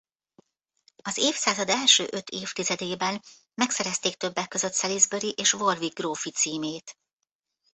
Az évszázad első öt évtizedében megszerezték többek között Salisbury és Warwick grófi címét.